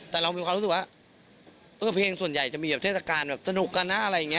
แต่เรามีความรู้สึกว่าเออเพลงส่วนใหญ่จะมีแบบเทศกาลแบบสนุกกันนะอะไรอย่างนี้